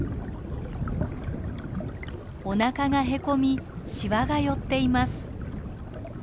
おなかがへこみシワが寄っています。